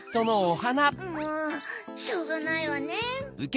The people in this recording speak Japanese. もうしょうがないわね！